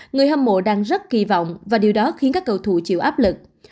người hâm mộ đang rất kỳ vọng và điều đó khiến các cầu thủ chịu áp lực